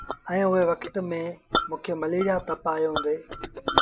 اُئي وکت ميݩ موݩ کي مليٚريآ تپ آيو هُݩدو۔